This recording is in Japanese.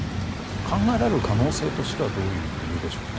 考えられる可能性としてはどういう理由でしょうか。